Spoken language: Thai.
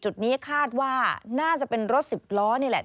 จุดนี้คาดว่าน่าจะเป็นรถสิบล้อนี่แหละ